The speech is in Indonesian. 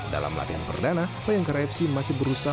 dalam latihan perdana bayangkara fc masih berusaha